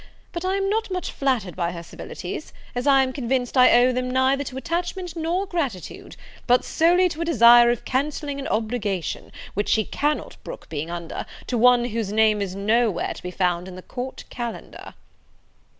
But I am not much flattered by her civilities, as I am convinced I owe them neither to attachment nor gratitude; but solely to a desire of cancelling an obligation, which she cannot brook being under, to one whose name is no where to be found in the Court Calendar."